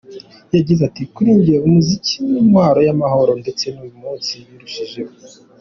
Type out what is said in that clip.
Yagize ati:”Kuri jye umuziki ni intwaro y’amahoro ndetse uyu munsi birushijeho.